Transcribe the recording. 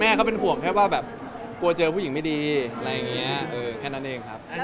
เขาเป็นห่วงแค่ว่าแบบกลัวเจอผู้หญิงไม่ดีอะไรอย่างนี้แค่นั้นเองครับ